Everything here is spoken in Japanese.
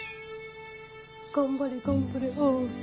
頑張れ頑張れ亜季！